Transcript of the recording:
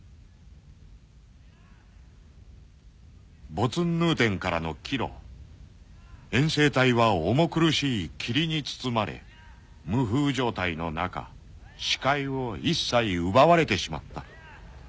［ボツンヌーテンからの帰路遠征隊は重苦しい霧に包まれ無風状態の中視界を一切奪われてしまった］